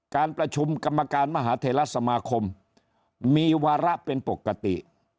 การประชุมกรรมการมหาเทลสมาคมมีวาระเป็นปกติ